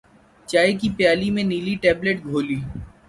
چائے کی پیالی میں نیلی ٹیبلٹ گھولی